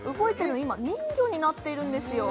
今人魚になっているんですよ